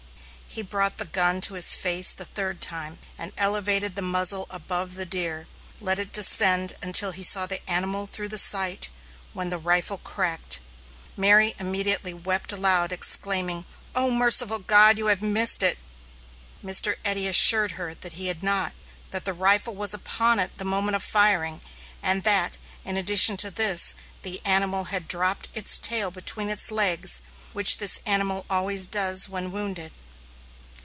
He brought the gun to his face the third time, and elevated the muzzle above the deer, let it descend until he saw the animal through the sight, when the rifle cracked. Mary immediately wept aloud, exclaiming, "Oh, merciful God, you have missed it!" Mr. Eddy assured her that he had not; that the rifle was upon it the moment of firing; and that, in addition to this, the animal had dropped its tail between its legs, which this animal always does when wounded.